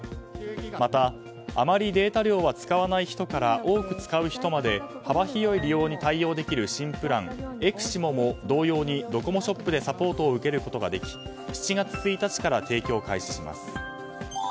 また、あまりデータ量は使わない人から多く使う人まで幅広い利用に対応できる新プランｅｘｉｍｏも同様にドコモショップでサポートを受けることができ７月１日から提供開始します。